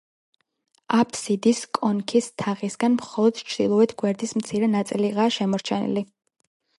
აფსიდის კონქის თაღისგან, მხოლოდ ჩრდილოეთ გვერდის მცირე ნაწილიღაა შემორჩენილი.